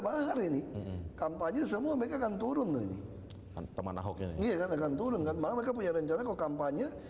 mahar ini kampanye semua mereka akan turun teman teman turun malah punya rencana kampanye